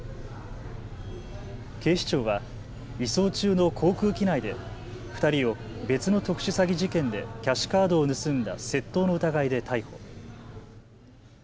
警視庁は移送中の航空機内で２人を別の特殊詐欺事件でキャッシュカードを盗んだ窃盗の疑いで逮捕。